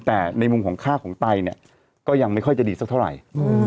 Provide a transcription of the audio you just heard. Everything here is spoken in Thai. แต่ในมุมของค่าของไตเนี่ยก็ยังไม่ค่อยจะดีสักเท่าไหร่